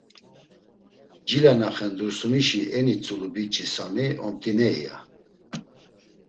Cile na xen Dursunişi eni tzulu biç̌i Sami omt̆iney, ya.